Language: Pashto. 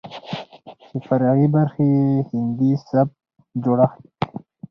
چې فرعي برخې يې هندي سبک جوړښت،